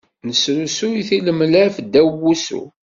Nesrusuy tilemlaf ddaw wusu.